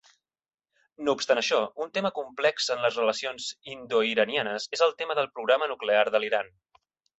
No obstant això, un tema complex en les relacions indoiranianes és el tema del programa nuclear de l'Iran.